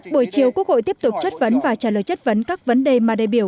bộ trưởng quốc hội tiếp tục chất vấn và trả lời chất vấn các vấn đề mà đại biểu